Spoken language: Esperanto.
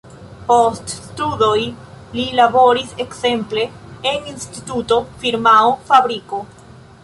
Post studoj li laboris ekzemple en instituto, firmao, fabriko.